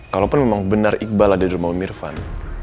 kalaupun memang benar iqbal ada di rumah om irfan